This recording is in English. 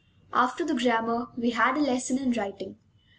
After the grammar, we had a lesson in writing.